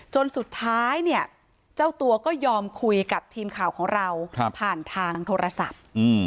จนสุดท้ายเนี่ยเจ้าตัวก็ยอมคุยกับทีมข่าวของเราผ่านทางโทรศัพท์